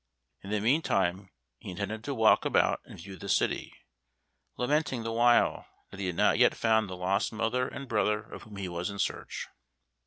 In the meantime he intended to walk about and view the city, lamenting the while that he had not yet found the lost mother and brother of whom he was in search.